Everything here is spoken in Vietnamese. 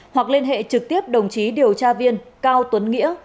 hoặc liên hệ trực tiếp đồng chí điều tra viên cao tuấn nghĩa